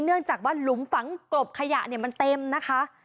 เนื่องจากว่าหลุมฝังกลบขยะเนี่ยมันเต็มนะคะ